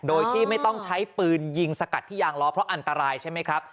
โดยที่ไม่ต้องใช้ปืนยิงสกัดที่ยางล้อเพราะอันตรายใช่ไหมครับ